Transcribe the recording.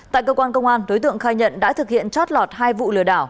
tại cơ quan công an đối tượng khai nhận đã thực hiện chót lọt hai vụ lừa đảo